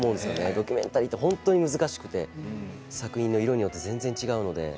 ドキュメンタリーって本当に難しくって作品の色によって全然違うので。